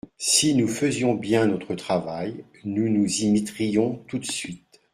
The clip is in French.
Si nous faisions bien notre travail, nous nous y mettrions tout de suite.